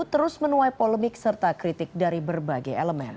terus menuai polemik serta kritik dari berbagai elemen